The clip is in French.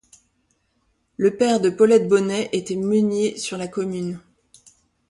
Le père de Paulette Bonnet était meunier sur la commune.